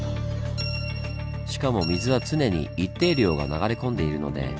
しかも水は常に一定量が流れ込んでいるので減りません。